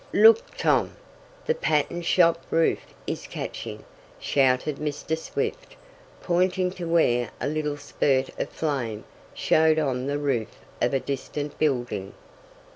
"Look, Tom! The pattern shop roof is catching!" shouted Mr. Swift, pointing to where a little spurt of flame showed on the roof of a distant building.